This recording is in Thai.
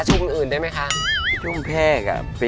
ชุมอื่นได้ไหมคะ